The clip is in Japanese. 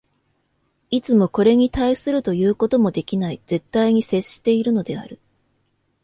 いつもこれに対するということもできない絶対に接しているのである。